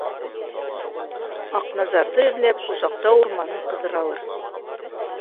Аҡназарҙы эҙләп, Сусаҡтау урманын ҡыҙыралыр.